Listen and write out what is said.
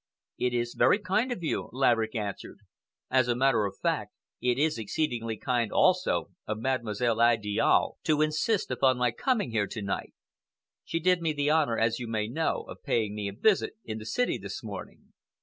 "It is very kind of you," Laverick answered. "As a matter of fact, it is exceedingly kind, also, of Mademoiselle Idiale to insist upon my coming here to night. She did me the honor, as you may know, of paying me a visit in the city this morning."